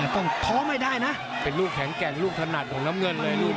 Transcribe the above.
ต้องท้อไม่ได้นะเป็นลูกแข็งแกร่งลูกถนัดของน้ำเงินเลยลูก